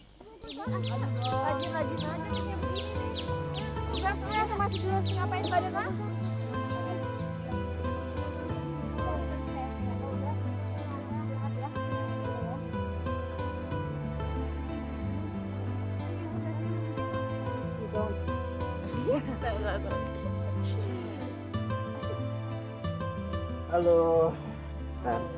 udah saya nggak masih jelasin ngapain pada nak